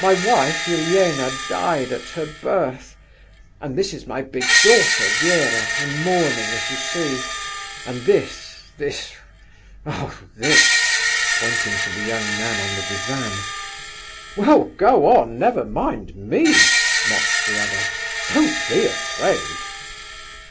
"My wife, Helena, died—at her birth; and this is my big daughter Vera, in mourning, as you see; and this, this, oh, this," pointing to the young man on the divan... "Well, go on! never mind me!" mocked the other. "Don't be afraid!"